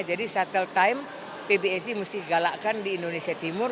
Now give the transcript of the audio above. shuttle time pbsi mesti galakkan di indonesia timur